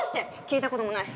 聞いたこともない！